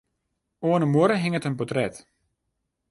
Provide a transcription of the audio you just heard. Oan 'e muorre hinget in portret.